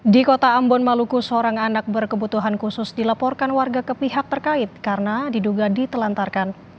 di kota ambon maluku seorang anak berkebutuhan khusus dilaporkan warga ke pihak terkait karena diduga ditelantarkan